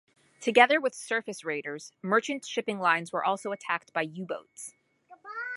Together with surface raiders, merchant shipping lines were also attacked by U-boats.